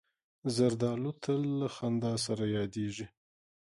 زردالو تل له خندا سره یادیږي.